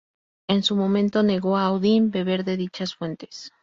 En su momento negó a Odín beber de dichas fuentes.